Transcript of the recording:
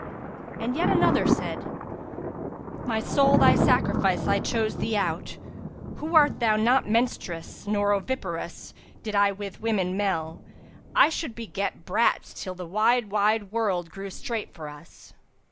And yet another said, 'My soul thy sacrifice! I chose thee out * Who art not menstruous nor oviparous: Did I with woman mell, I should beget * Brats till the wide wide world grew strait for us.'